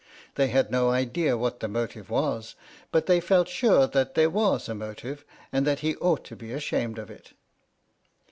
They had no idea what the motive was, but they felt sure there was a motive, and that he ought to be ashamed of it.